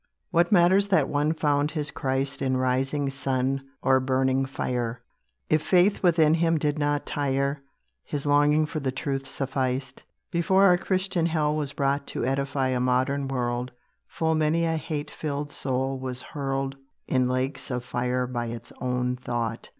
What matters that one found his Christ In rising sun, or burning fire; If faith within him did not tire, His longing for the truth sufficed. Before our 'Christian' hell was brought To edify a modern world, Full many a hate filled soul was hurled In lakes of fire by its own thought.